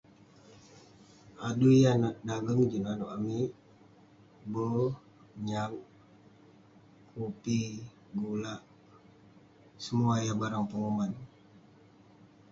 Adui yah dageng juk nanouk amik.........be'r, nyak, kupi, gulak, semua yah barak penguman..